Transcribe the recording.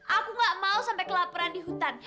aku gak mau sampai kelaparan di hutan